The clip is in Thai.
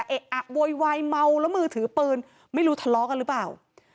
เอ๊ะอะโวยวายเมาแล้วมือถือปืนไม่รู้ทะเลาะกันหรือเปล่า